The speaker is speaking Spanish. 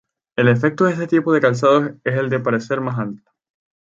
El efecto de este tipo de calzado es el de parecer más alto.